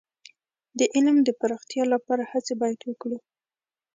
د علم د پراختیا لپاره هڅې باید وکړو.